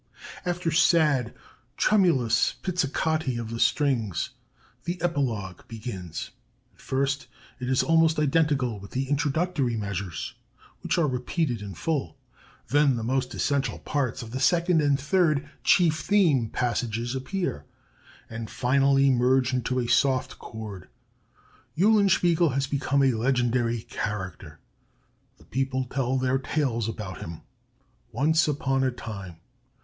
"After sad, tremulous pizzicati of the strings, the epilogue begins. At first it is almost identical with the introductory measures, which are repeated in full; then the most essential parts of the second and third chief theme passages appear, and finally merge into [a] soft chord.... Eulenspiegel has become a legendary character. The people tell their tales about him: 'Once upon a time....'